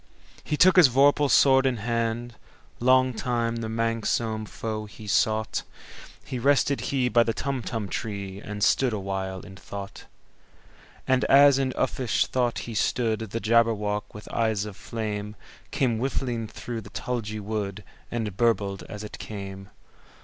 He took his vorpal sword in hand:Long time the manxome foe he sought—So rested he by the Tumtum tree, And stood awhile in thought. And as in uffish thought he stood, The Jabberwock, with eyes of flame, Came whiffling through the tulgey wood, And burbled as it came!